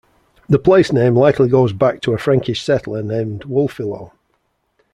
The placename likely goes back to a Frankish settler named Wulfilo.